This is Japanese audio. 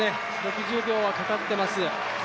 ６０秒はかかってます。